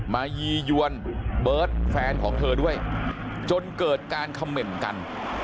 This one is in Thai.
ยียวนเบิร์ตแฟนของเธอด้วยจนเกิดการคำเหม็นกัน